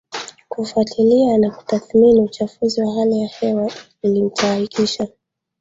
kufuatilia na kutathmini uchafuzi wa hewa Hili litahakikisha